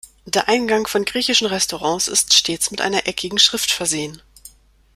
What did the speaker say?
Der Eingang von griechischen Restaurants ist stets mit einer eckigen Schrift versehen.